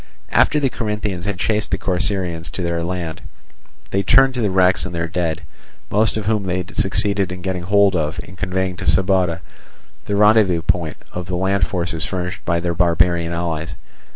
After the Corinthians had chased the Corcyraeans to the land, they turned to the wrecks and their dead, most of whom they succeeded in getting hold of and conveying to Sybota, the rendezvous of the land forces furnished by their barbarian allies.